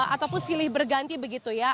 ataupun silih berganti begitu ya